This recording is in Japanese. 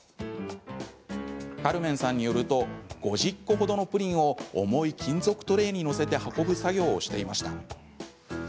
かるめんさんによると５０個ほどのプリンを重い金属トレーに載せて運ぶ作業をしていました。